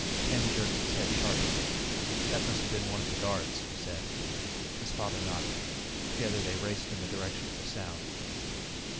Ken jerked his head sharply. "That must have been one of the guards!" he said. His father nodded. Together, they raced in the direction of the sound.